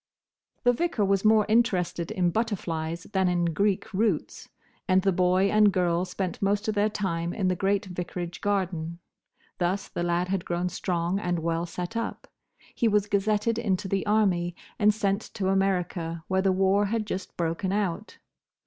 The Vicar was more interested in butterflies than in Greek roots, and the boy and girl spent most of their time in the great vicarage garden. Thus the lad had grown strong and well set up. He was gazetted into the Army, and sent to America, where the war had just broken out.